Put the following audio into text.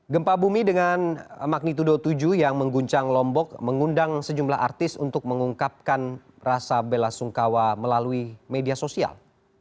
gempa bumi dengan magnitudo tujuh yang mengguncang lombok mengundang sejumlah artis untuk mengungkapkan rasa bela sungkawa melalui media sosial